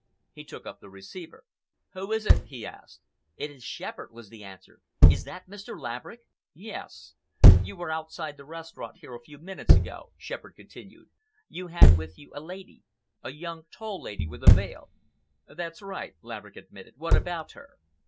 He took up the receiver. "Who is it?" he asked. "It is Shepherd," was the answer. "Is that Mr. Laverick?" "Yes!" "You were outside the restaurant here a few minutes ago," Shepherd continued. "You had with you a lady—a young, tall lady with a veil." "That's right," Laverick admitted. "What about her?"